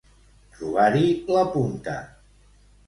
Trobar-hi la punta.